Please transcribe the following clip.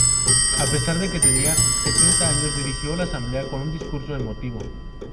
A pesar de que tenía setenta años, dirigió la asamblea con un discurso emotivo.